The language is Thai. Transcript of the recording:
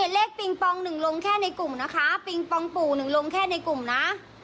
เลขปิงปองหนึ่งลงแค่ในกลุ่มนะคะปิงปองปู่หนึ่งลงแค่ในกลุ่มนะ